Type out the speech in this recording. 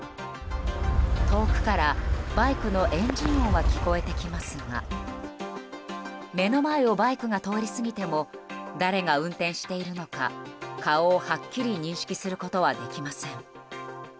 遠くからバイクのエンジン音は聞こえてきますが目の前をバイクが通り過ぎても誰が運転しているのか顔をはっきり認識することはできません。